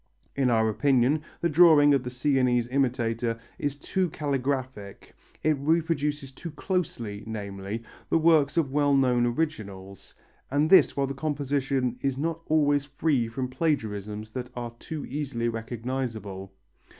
In our opinion the drawing of the Sienese imitator is too caligraphic, it reproduces too closely, namely, the forms of well known originals, and this while the composition is not always free from plagiarisms that are too easily recognizable.